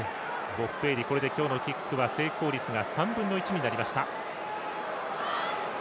ボッフェーリ、これで今日のキックは成功率が３分の１になりました。